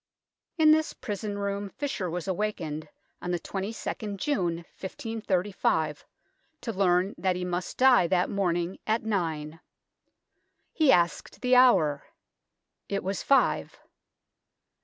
In this prison room Fisher was awakened on the 22nd June, 1535, to learn that he must die that morning at nine. He asked the hour. It was five.